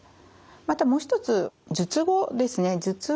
またもう一つ術後ですね